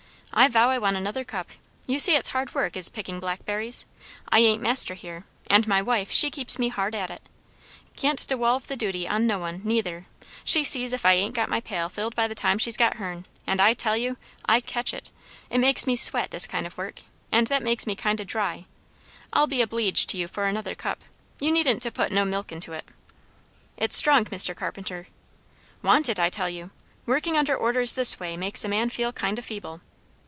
I vow I want another cup. You see, it's hard work, is picking blackberries. I ain't master here; and my wife, she keeps me hard at it. Can't dewolve the duty on no one, neither; she sees if I ain't got my pail filled by the time she's got her'n, and I tell you! I catch it. It makes me sweat, this kind of work; and that makes me kind o' dry. I'll be obleeged to you for another cup. You needn't to put no milk into it!" "It's strong, Mr. Carpenter." "Want it, I tell you! working under orders this way makes a man feel kind o' feeble."